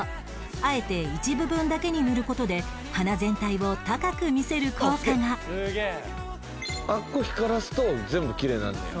あえて一部分だけに塗る事で鼻全体を高く見せる効果があそこ光らすと全部きれいになんねや。